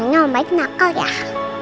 emangnya mbak itu nakal ya pak